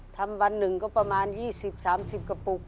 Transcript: วันหนึ่งก็ประมาณ๒๐๓๐กระปุก